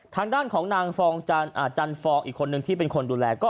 ทางด้านของนางฟองจันฟองอีกคนนึงที่เป็นคนดูแลก็